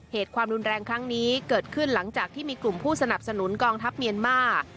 ความรุนแรงครั้งนี้เกิดขึ้นหลังจากที่มีกลุ่มผู้สนับสนุนกองทัพเมียนมาร์